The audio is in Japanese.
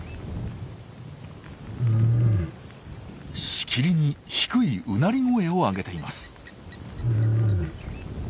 しきりに低いうなり声を上げています。